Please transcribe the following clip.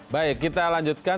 baik kita lanjutkan